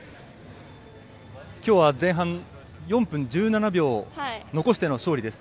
今日は前半４分１７秒残しての勝利です。